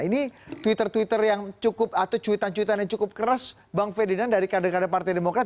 ini twitter twitter yang cukup atau cuitan cuitan yang cukup keras bang ferdinand dari kader kader partai demokrat